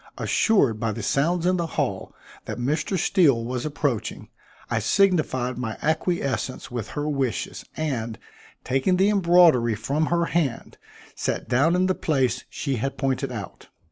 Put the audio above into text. Assured by the sounds in the hall that Mr. Steele was approaching, I signified my acquiescence with her wishes, and, taking the embroidery from her hand, sat down in the place she had pointed out.